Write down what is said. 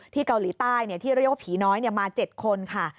เกาหลีใต้ที่เรียกว่าผีน้อยมา๗คนค่ะ